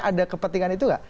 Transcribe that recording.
ada kepentingan itu gak